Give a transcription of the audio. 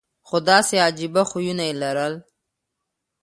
خو داسې عجیبه خویونه یې لرل.